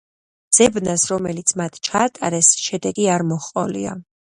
ძებნას, რომელიც მათ ჩაატარეს, შედეგი არ მოჰყოლია.